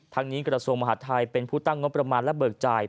นี้กระทรวงมหาดไทยเป็นผู้ตั้งงบประมาณและเบิกจ่าย